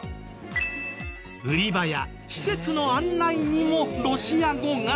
売り場や施設の案内にもロシア語が！